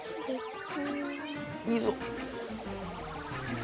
・いいぞ！